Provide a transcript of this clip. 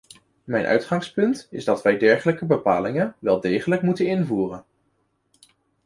Mijn uitgangspunt is dat wij dergelijke bepalingen wel degelijk moeten invoeren.